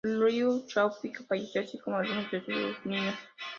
Liu Shaoqi falleció así como algunos de sus niños.